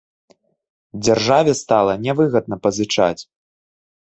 Дзяржаве стала нявыгадна пазычаць!